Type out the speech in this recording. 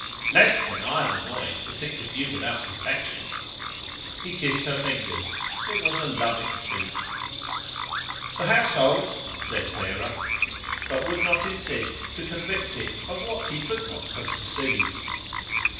"Less than I am annoyed to think of you without protection." He kissed her fingers: it was a loving speech. "The household ..." said Clara, but would not insist to convict him of what he could not have perceived.